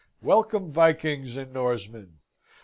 Welcome, Vikings and Norsemen!